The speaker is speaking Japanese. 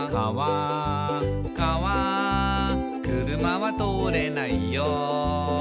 「かわ車は通れないよ」